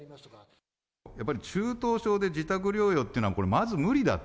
やっぱり中等症で自宅療養っていうのはこれ、まず無理だと。